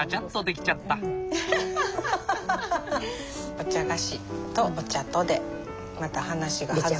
お茶菓子とお茶とでまた話が弾む。